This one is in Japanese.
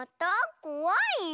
こわいよ。